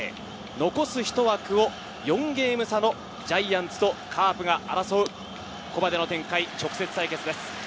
残すひと枠を４ゲーム差のジャイアンツとカープが争うここまでの展開、直接対決です。